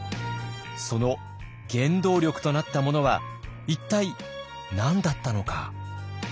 その原動力となったものは一体何だったのか。